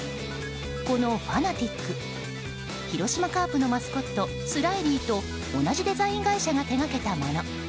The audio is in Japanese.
このファナティック広島カープのマスコットスラィリーと同じデザイン会社が手掛けたもの。